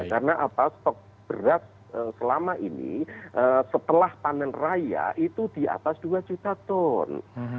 karena apa stok beras selama ini setelah panen raya itu di atas dua juta ton